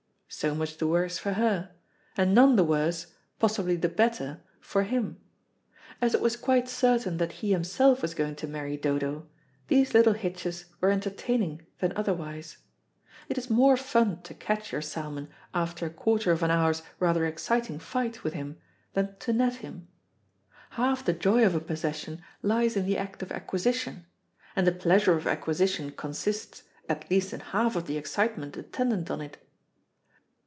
So much the worse for her, and none the worse, possibly the better, for him. As it was quite certain that he himself was going to marry Dodo, these little hitches were entertaining than otherwise. It is more fun to catch your salmon after a quarter of an hour's rather exciting fight with him than to net him. Half the joy of a possession lies in the act of acquisition, and the pleasure of acquisition consists, at least in half of the excitement attendant on it.